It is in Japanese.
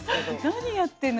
「何やってんの？